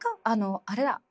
あのあれだ。